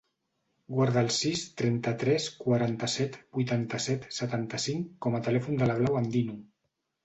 Guarda el sis, trenta-tres, quaranta-set, vuitanta-set, setanta-cinc com a telèfon de la Blau Andino.